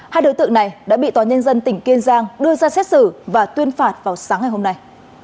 hai đối tượng này đã bị tòa nhân dân tỉnh kiên giang đưa ra xét xử và tuyên phạt vào sáng ngày hôm nay